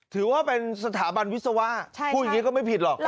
ถือว่าเป็นสถาบันวิศวะพูดอย่างนี้ก็ไม่ผิดหรอก